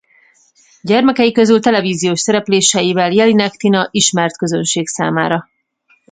Gyermeki közül televíziós szerepléseivel Jellinek Tina ismert közönség számára.